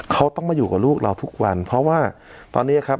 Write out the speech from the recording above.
เขาต้องมาอยู่กับลูกเราทุกวันเพราะว่าตอนนี้ครับ